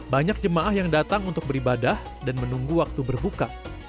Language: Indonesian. banyak jemaah yang datang untuk beribadah dan menunggu waktu berbuka